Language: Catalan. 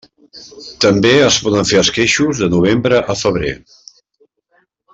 També es poden fer esqueixos de novembre a febrer.